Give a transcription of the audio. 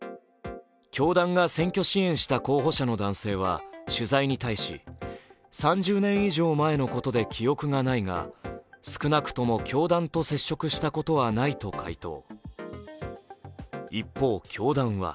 教団が選挙支援した候補者の男性は取材に対し３０年以上前のことで記憶がないが少なくとも教団と接触したことはないと回答。